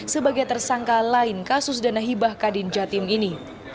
sebagai tersangka lain kasus dana hibah kadin jatim ini